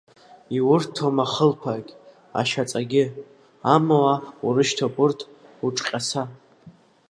Иурҭом ахылԥагь, ашьаҵагьы, амала урышьҭоуп урҭ уҿҟьаса.